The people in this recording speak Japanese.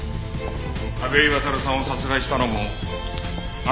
田部井亘さんを殺害したのもあなたですね。